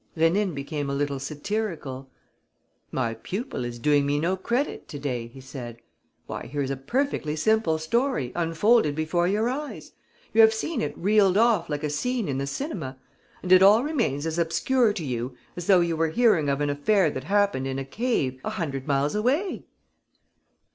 Rénine became a little satirical: "My pupil is doing me no credit to day," he said. "Why, here is a perfectly simple story, unfolded before your eyes. You have seen it reeled off like a scene in the cinema; and it all remains as obscure to you as though you were hearing of an affair that happened in a cave a hundred miles away!"